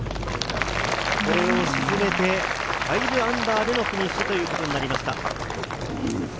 これを沈めて、−５でのフィニッシュということになりました。